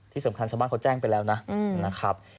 ที่สำคัญชาวบ้านเขาแจ้งไปแล้วนะ